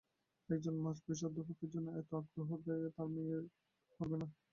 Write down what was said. একজন মাঝবয়সী অধ্যাপকের জন্যে এত আগ্রহ নিয়ে তাঁর মেয়ে অপেক্ষা করবে কেন?